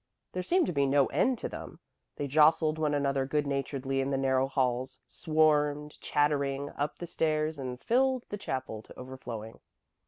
There seemed to be no end to them. They jostled one another good naturedly in the narrow halls, swarmed, chattering, up the stairs, and filled the chapel to overflowing.